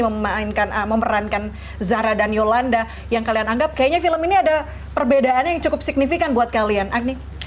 memerankan zahra dan yolanda yang kalian anggap kayaknya film ini ada perbedaan yang cukup signifikan buat kalian agni